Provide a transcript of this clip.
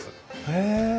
へえ。